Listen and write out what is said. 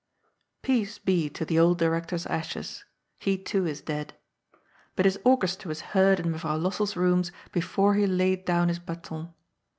Peace be to the old Director's ashes. He, too, is dead. But his orchestra was heard in Mevrouw Lossell's rooms, before he laid down his bAton.